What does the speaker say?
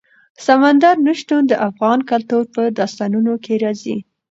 سمندر نه شتون د افغان کلتور په داستانونو کې راځي.